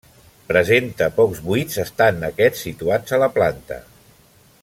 Presenta pocs buits, estant aquests situats a la planta.